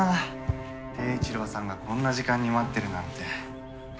貞一郎さんがこんな時間に待ってるなんて。